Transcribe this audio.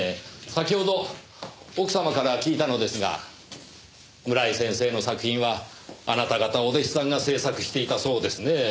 先ほど奥様から聞いたのですが村井先生の作品はあなた方お弟子さんが制作していたそうですねぇ。